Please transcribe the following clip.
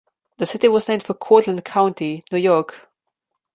The city was named for Cortland County, New York.